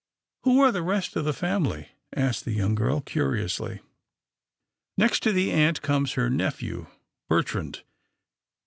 "Who are the rest of the family?" asked the young girl curiously. " Next to the aunt comes her nephew Bertrand.